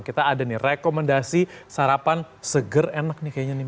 kita ada nih rekomendasi sarapan seger enak nih kayaknya nih